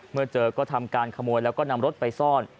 เมื่อเจอก็ทำการขโมยแล้วก็นำรถไปซ่อน